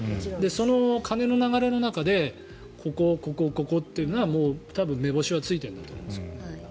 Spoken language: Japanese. その金の流れの中でここ、ここ、ここというのは多分、目星はついているんだと思います。